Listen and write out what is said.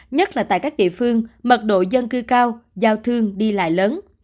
nhất là tại các địa phương mật độ dân cư cao giao thương đi lại lớn